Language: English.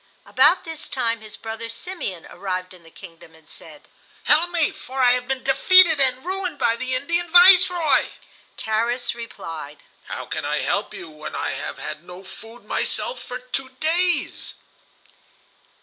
About this time his brother Simeon arrived in the kingdom, and said: "Help me, for I have been defeated and ruined by the Indian Viceroy." Tarras replied: "How can I help you, when I have had no food myself for two days?"